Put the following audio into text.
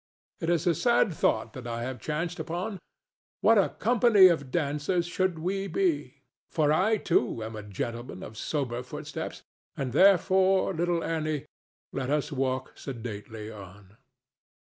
It is a sad thought that I have chanced upon. What a company of dancers should we be! For I too am a gentleman of sober footsteps, and therefore, little Annie, let us walk sedately on.